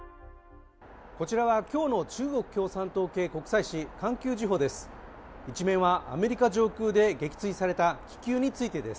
こちらは今日の中国共産党系国際紙「環球時報」です。